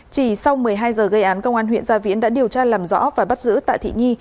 chỉ sau một mươi hai giờ gây án công an huyện gia viễn đã điều tra làm rõ và bắt giữ tạ thị nhi